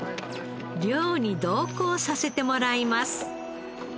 漁に同行させてもらいます。